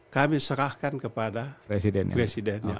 kami serahkan kepada presiden yang akan datang